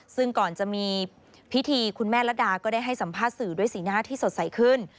ซึ่งก่อนจะมีพิธีคุณแม่ละดาก็ได้ให้สัมภาษณ์สื่อด้วยสีหน้าที่สดใสขึ้น